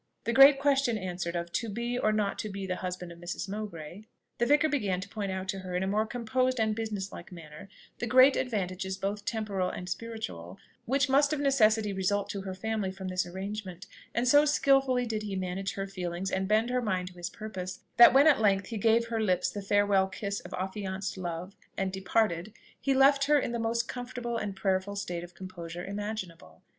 The great question answered of "To be or not to be the husband of Mrs. Mowbray?" the vicar began to point out to her in a more composed and business like manner the great advantages both temporal and spiritual which must of necessity result to her family from this arrangement; and so skilfully did he manage her feelings and bend her mind to his purpose, that when at length he gave her lips the farewell kiss of affianced love, and departed, he left her in the most comfortable and prayerful state of composure imaginable.